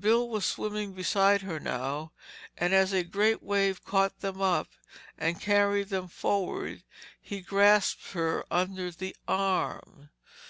Bill was swimming beside her now and as a great wave caught them up and carried them forward he grasped her under the arm.